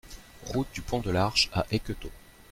Route du Pont de l'Arche à Ecquetot